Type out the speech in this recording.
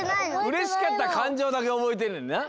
うれしかったかんじょうだけおぼえてんねんな。